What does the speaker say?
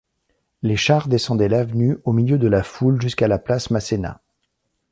Les chars descendaient l'avenue au milieu de la foule jusqu'à la place Masséna.